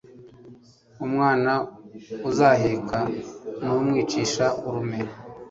umwana uzaheka ntumwicisha urume